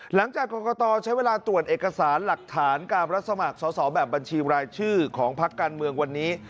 หลังจากกรกตใช้เวลาตรวจเอกสารหลักฐานการรับสมัครสอบแบบบัญชีรายชื่อของพักการเมืองวันนี้